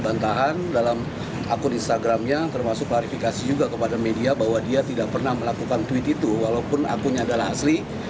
dan tahan dalam akun instagramnya termasuk klarifikasi juga kepada media bahwa dia tidak pernah melakukan tweet itu walaupun akunnya adalah asli